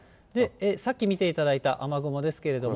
さっき見ていただいた雨雲ですけれども。